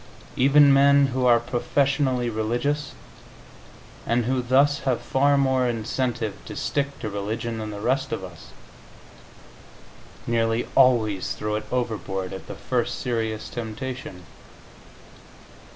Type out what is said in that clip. Even men who are professionally religious, and who thus have far more incentive to stick to religion than the rest of us, nearly always throw it overboard at the first serious temptation.